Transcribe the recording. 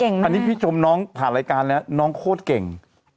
อันนี้พี่ชมน้องผ่านรายการแล้วน้องโคตรเก่ง